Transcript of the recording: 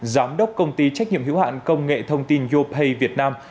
giám đốc công ty trách nhiệm hữu hạn công nghệ thông tin yopay việt nam